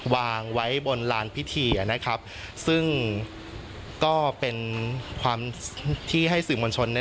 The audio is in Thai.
วางไว้บนลานพิธีนะครับซึ่งก็เป็นความที่ให้สื่อมวลชน